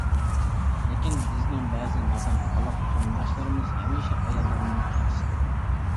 لېكىن بىزنىڭ بەزى نادان، قالاق قېرىنداشلىرىمىز ھەمىشە ئاياللىرىنى كەمسىتىدۇ.